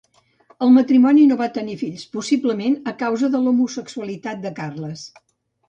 El matrimoni no va tenir fills, possiblement a causa de l'homosexualitat de Carles.